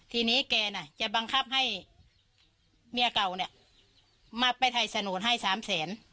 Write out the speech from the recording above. ทีนี้แกน่ะจะบังคับให้เมียเก่าเนี่ยมาไปถ่ายโฉนดให้สามแสน